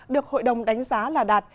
được hội đồng đánh giá là đạt